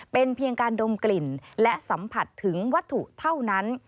เป็นเพียงการดมกลิ่นและสัมผัสถึงวัตถุเท่านั้น